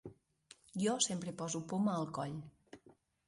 Jo sempre poso poma al coll.